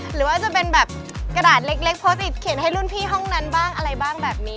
หรือว่าจะเป็นแบบกระดาษเล็กโพสต์ติดเขียนให้รุ่นพี่ห้องนั้นบ้างอะไรบ้างแบบนี้